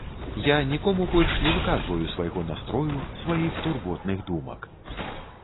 Я нікому больш не выказваю свайго настрою, сваіх турботных думак.